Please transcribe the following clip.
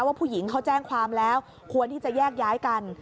ว่าผู้หญิงเขาแจ้งความแล้วควรที่จะแยกย้ายกัน